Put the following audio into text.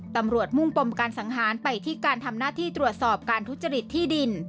มุ่งปมการสังหารไปที่การทำหน้าที่ตรวจสอบการทุจริตที่ดิน